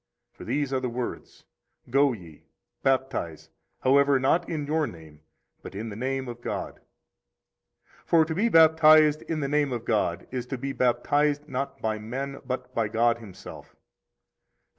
For these are the words, Go ye, baptize; however, not in your name, but in the name of God. 10 For to be baptized in the name of God is to be baptized not by men, but by God Himself.